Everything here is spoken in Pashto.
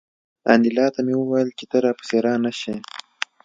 انیلا ته مې وویل چې ته را پسې را نشې